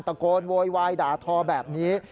ตะโกนโวยวายด่าทอแบบนี้